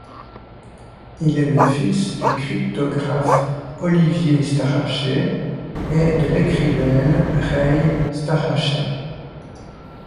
Il est le fils du cryptographe Oliver Strachey et de l'écrivaine Ray Strachey.